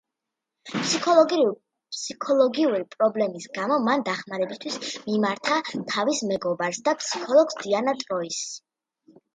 ფსიქოლოგიური პრობლემების გამო მან დახმარებისთვის მიმართა თავის მეგობარს და ფსიქოლოგს დიანა ტროის.